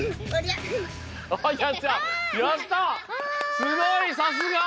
すごいさすが。